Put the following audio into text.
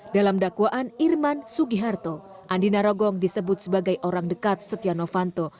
dalam dakwaan irman sugiharto andi narogong disebut sebagai orang dekat setia novanto